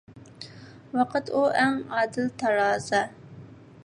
ۋاقىت، ئۇ ئەڭ ئادىل تارازا.